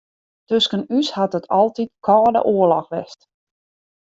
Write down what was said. Tusken ús hat it altyd kâlde oarloch west.